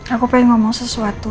aku pengen ngomong sesuatu